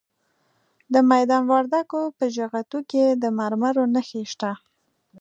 د میدان وردګو په جغتو کې د مرمرو نښې شته.